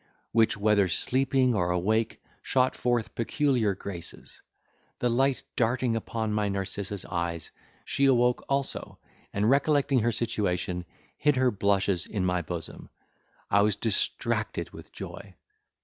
which, whether sleeping or awake, shot forth peculiar graces! The light darting upon my Narcissa's eyes, she awoke also, and recollecting her situation, hid her blushes in my bosom. I was distracted with joy!